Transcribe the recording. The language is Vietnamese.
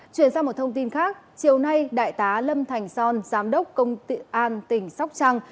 chuyển sang một thông tin khác chiều nay đại tá lâm thành son giám đốc công ty an tỉnh sóc trăng